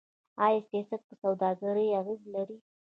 آیا سیاست په سوداګرۍ اغیز لري؟